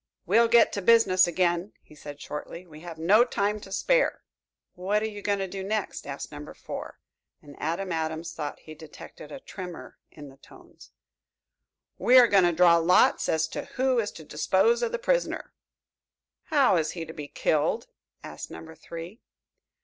"We'll get to business again," he said shortly. "We have no time to spare." "What are you going to do next?" asked Number Four, and Adam Adams thought he detected a tremor in the tones. "We are going to draw lots as to who is to dispose of the prisoner." "How is he to be killed?" asked Number Three.